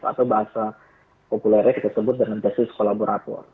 atau bahasa populernya kita sebut dengan jasus kolaborator